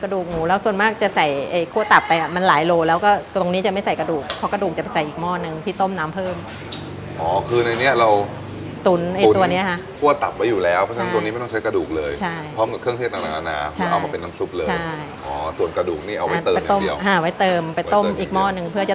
กระดูกหมูแล้วส่วนมากจะใส่คั่วตับไปอ่ะมันหลายโลแล้วก็ตรงนี้จะไม่ใส่กระดูกเพราะกระดูกจะไปใส่อีกหม้อนึงที่ต้มน้ำเพิ่มอ๋อคือในนี้เราตุ๋นไอ้ตัวเนี้ยฮะคั่วตับไว้อยู่แล้วเพราะฉะนั้นส่วนนี้ไม่ต้องใช้กระดูกเลยใช่พร้อมกับเครื่องเทศต่างน้ำจะเอามาเป็นน้ำซุปเลยใช่อ๋อส่วนกระดูกนี่เอา